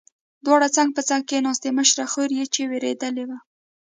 دواړې څنګ په څنګ کېناستې، مشره خور یې چې وېرېدلې وه.